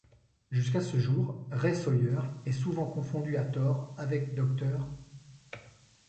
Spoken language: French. Jusqu'à ce jour, Ray Sawyer est souvent confondu à tort avec Dr.